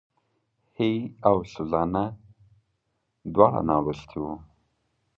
هېي او سوزانا دواړه نالوستي وو.